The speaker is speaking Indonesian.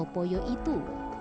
atau poyo itu